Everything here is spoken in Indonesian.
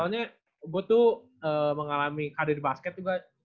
soalnya gue tuh mengalami karir basket juga